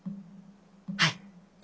はい。